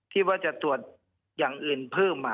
ที่ว่าจะตรวจอย่างอื่นเพิ่ม